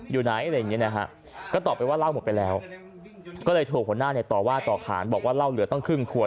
อยู่ไหนอะไรอย่างเงี้นะฮะก็ตอบไปว่าเล่าหมดไปแล้วก็เลยถูกหัวหน้าเนี่ยต่อว่าต่อขานบอกว่าเหล้าเหลือต้องครึ่งขวด